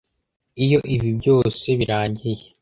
Iyo ibi byose birangiye